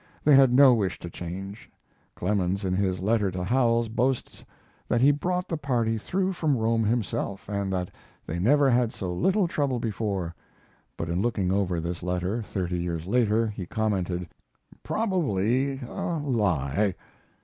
They had no wish to change. Clemens, in his letter to Howells, boasts that he brought the party through from Rome himself, and that they never had so little trouble before; but in looking over this letter, thirty years later, he commented, "Probably a lie."